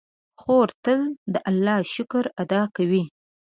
خور تل د الله شکر ادا کوي.